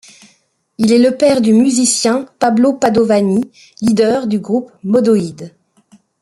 Il est le père du musicien Pablo Padovani, leader du groupe Moodoïd.